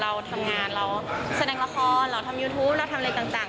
เราทำงานเราแสดงละครเราทำยูทูปเราทำอะไรต่าง